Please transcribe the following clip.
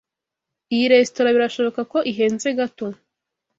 Iyo resitora birashoboka ko ihenze gato.